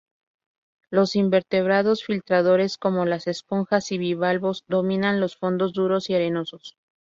Los invertebrados filtradores, como las esponjas y bivalvos, dominan los fondos duros y arenosos.